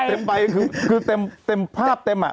เต็มใบคือเต็มภาพเต็มอ่ะ